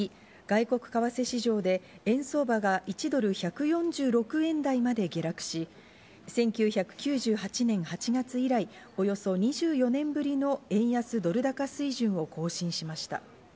午前９時過ぎ、外国為替市場で円相場が１ドル＝１４６円台まで下落し、１９９８年８月以来、およそ２４年ぶりの円安ドル高水準を更新しました。